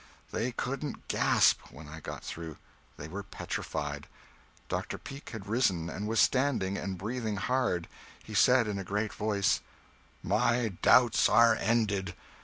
They couldn't gasp, when I got through they were petrified. Dr. Peake had risen, and was standing, and breathing hard. He said, in a great voice "My doubts are ended.